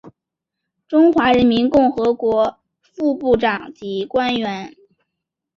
中华人民共和国副部长级官员。